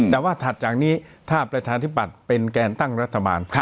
แต่ว่าถัดจากนี้ถ้าประชาธิบัติเป็นแกนตั้งรัฐบาล